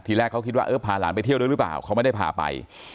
แรกเขาคิดว่าเออพาหลานไปเที่ยวด้วยหรือเปล่าเขาไม่ได้พาไป